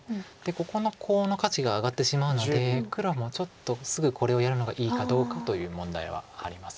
ここのコウの価値が上がってしまうので黒もちょっとすぐこれをやるのがいいかどうかという問題はあります。